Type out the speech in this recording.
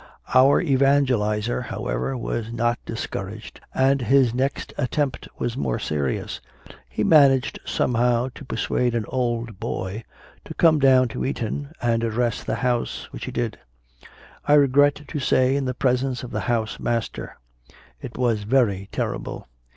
Our evangelizer, however, was not discouraged, and his next attempt was more serious. He managed somehow to persuade an "old boy" to come down to Eton and address the house, which he did, I regret to say, in the presence of the house master. It was very terrible.